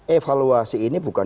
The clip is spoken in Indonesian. evaluasi ini bukan